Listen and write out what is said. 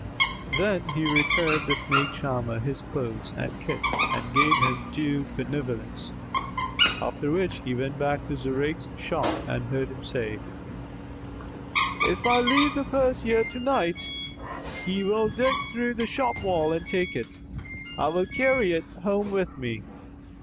Then he returned the snake charmer his clothes and kit and gave him due benevolence; after which he went back to Zurayk's shop and heard him say, "If I leave the purse here to night, he will dig through the shop wall and take it; I will carry it home with me."